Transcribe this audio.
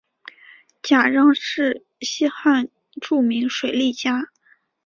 贾让是西汉著名水利家。